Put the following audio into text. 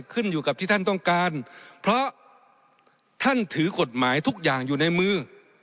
ขึ้นอยู่กับที่ท่านต้องการเพราะท่านถือกฎหมายทุกอย่างอยู่ในมือ